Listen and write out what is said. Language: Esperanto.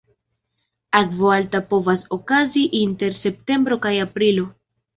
Akvo alta povas okazi inter septembro kaj aprilo.